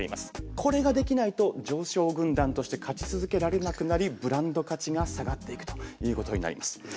これができないと常勝軍団として勝ち続けられなくなりブランド価値が下がっていくということになります。